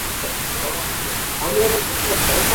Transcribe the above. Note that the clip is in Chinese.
这类酶主要参与类固醇的合成和毒物的氧化代谢。